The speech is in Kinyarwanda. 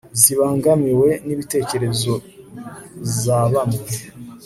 zibangamiwe n'ibitekerezo za bamwe